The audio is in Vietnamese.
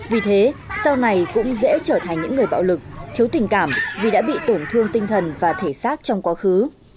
vì thế sau này cũng dễ trở thành những người bạo lực thiếu tình cảm vì đã bị tổn thương tinh thần và thể xác trong quá khứ